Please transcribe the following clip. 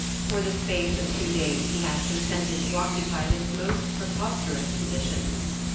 For the space of two days he had consented to occupy this most preposterous position.